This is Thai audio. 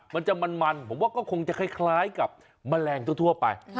มันจะมันผมว่าก็คงจะคล้ายกับแมลงทั่วไป